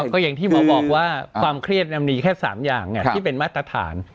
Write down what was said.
ก็อย่างที่หมอบอกว่าความเครียดมีแค่๓อย่างที่เป็นมาตรฐาน